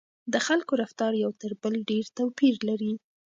د خلکو رفتار یو تر بل ډېر توپیر لري.